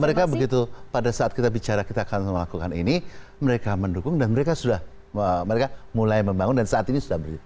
mereka begitu pada saat kita bicara kita akan melakukan ini mereka mendukung dan mereka sudah mereka mulai membangun dan saat ini sudah berjalan